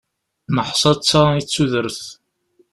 Neḥsa d ta i tudert.